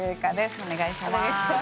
お願いします。